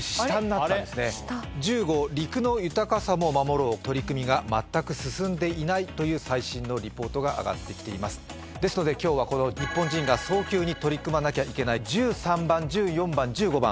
「陸の豊かさも守ろう」という最新のリポートが上がってきていますですので今日はこの日本人が早急に取り組まなきゃいけない１３番１４番１５番